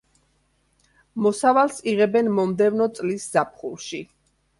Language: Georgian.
მოსავალს იღებენ მომდევნო წლის ზაფხულში.